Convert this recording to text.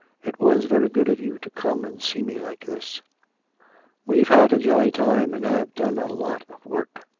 It was very good of you to come and see me like this.' 'We've had a jolly time and have done a lot of work.'